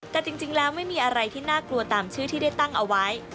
แต่จริงแล้วไม่มีอะไรที่น่ากลัวตามชื่อที่ได้ตั้งเอาไว้